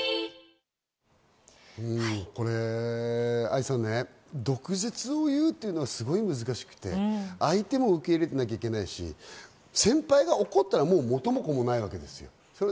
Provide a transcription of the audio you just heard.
愛さん、毒舌を言うっていうのはすごい難しくて、相手も受け入れてなきゃいけないし、先輩が怒ったら、もう元も子もないわけですよ。